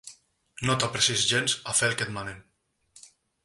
No t'apressis gens a fer el que et manen.